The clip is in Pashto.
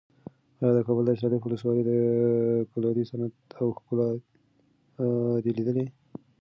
ایا د کابل د استالف ولسوالۍ د کلالۍ صنعت او ښکلا دې لیدلې؟